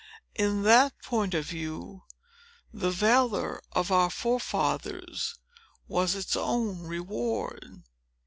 In that point of view, the valor of our forefathers was its own reward."